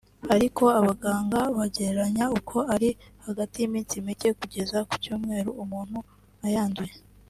ariko abaganga bagereranya ko ari hagati y’iminsi mike kugeza ku cyumweru umuntu ayanduye